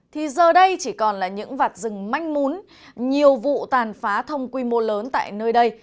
thì giờ đây chỉ còn là những vạt rừng manh mún nhiều vụ tàn phá thông quy mô lớn tại nơi đây